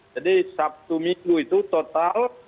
jadi sabtu minggu itu total